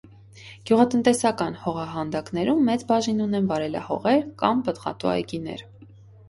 Գյուղատնտեսական հողահանդակներում մեծ բաժին ունեն վարելահողեր, կան պտղատու այգիներ։